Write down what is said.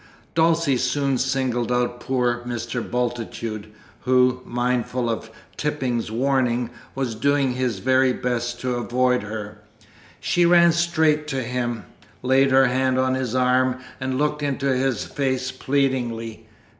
Dulcie soon singled out poor Mr. Bultitude, who, mindful of Tipping's warning, was doing his very best to avoid her. She ran straight to him, laid her hand on his arm and looked into his face pleadingly.